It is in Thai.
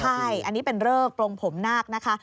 ใช่อันนี้เป็นเริกปรงผมนาคนะคะ